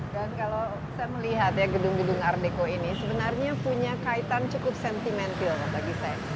dan kalau saya melihat ya gedung gedung art deko ini sebenarnya punya kaitan cukup sentimental bagi saya